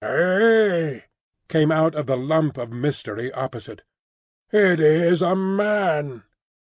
"Hey!" came out of the lump of mystery opposite. "It is a man."